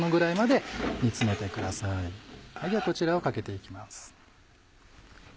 ではこちらをかけて行きます。